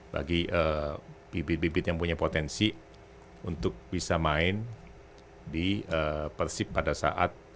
bagi bibit bibit yang punya potensi untuk bisa main di persib pada saat